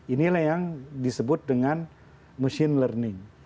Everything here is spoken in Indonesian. inilah yang disebut dengan machine learning